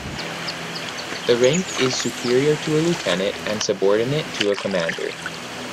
The rank is superior to a lieutenant and subordinate to a commander.